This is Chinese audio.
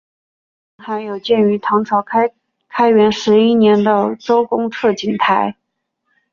附近还有建于唐朝开元十一年的周公测景台。